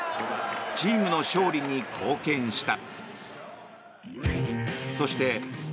チームの勝利に貢献した。